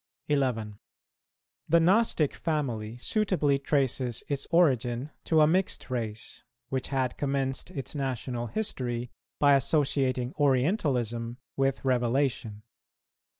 11. The Gnostic family[219:1] suitably traces its origin to a mixed race, which had commenced its national history by associating Orientalism with Revelation.